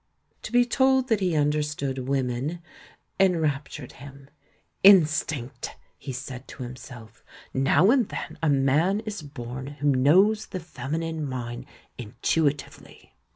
To be told that he understood women enrap 1 2 THE MAN WHO UNDERSTOOD WOMEN tured him. "Instinct!" he said to himself. "Xow and then a man is born who knows the feminine mind intuitively."